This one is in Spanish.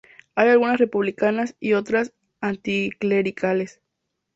Hay algunas republicanas, y otras anticlericales.